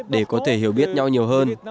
để có thể hiểu biết nhau nhiều hơn